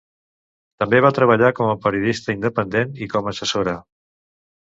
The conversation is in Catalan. També va treballar com a periodista independent i com a assessora.